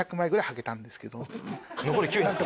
残り９００？